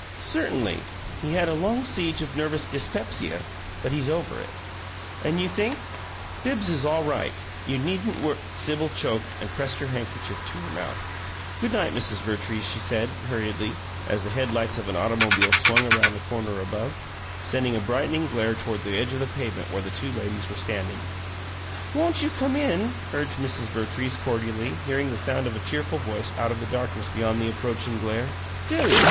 "Certainly. He had a long siege of nervous dyspepsia, but he's over it." "And you think " "Bibbs is all right. You needn't wor " Sibyl choked, and pressed her handkerchief to her mouth. "Good night, Mrs. Vertrees," she said, hurriedly, as the head lights of an automobile swung round the corner above, sending a brightening glare toward the edge of the pavement where the two ladies were standing. "Won't you come in?" urged Mrs. Vertrees, cordially, hearing the sound of a cheerful voice out of the darkness beyond the approaching glare. "Do!